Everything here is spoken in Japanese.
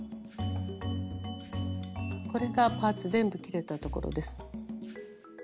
これがパーツ全部切れたところです。